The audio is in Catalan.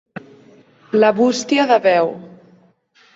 La bústia de veu.